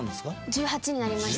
「１８になりました」